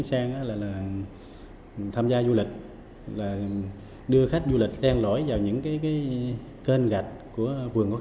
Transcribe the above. cũng là trộm not về kh weebiz l noticeableerte k greatsones